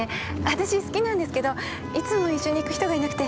私好きなんですけどいつも一緒に行く人がいなくて。